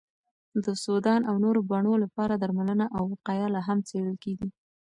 د سودان او نورو بڼو لپاره درملنه او وقایه لا هم څېړل کېږي.